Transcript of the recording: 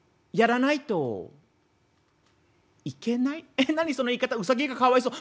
え何その言い方ウサギがかわいそう。